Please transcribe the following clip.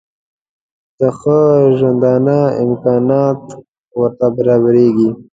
د ښه ژوندانه امکانات ورته برابرېږي.